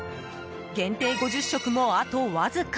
限定５０食もあとわずか。